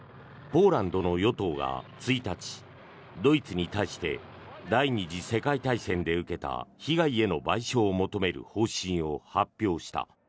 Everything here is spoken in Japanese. ポーランドの与党が１日ドイツに対して第２次世界大戦で受けた被害への賠償を求める方針を発表した。